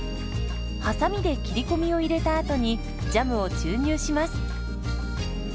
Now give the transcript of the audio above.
はさみで切り込みを入れたあとにジャムを注入します。